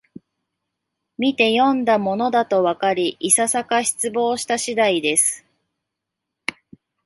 みてよんだものだとわかり、いささか失望した次第です